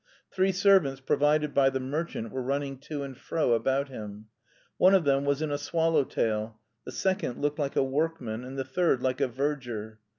Three servants provided by the merchant were running to and fro about him. One of them was in a swallow tail, the second looked like a workman, and the third like a verger.